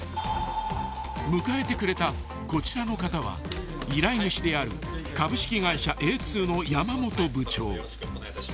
［迎えてくれたこちらの方は依頼主である株式会社エーツーの山本部長］